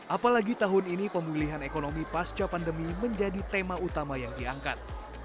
apalagi tahun ini pemulihan ekonomi pasca pandemi menjadi tema utama yang diangkat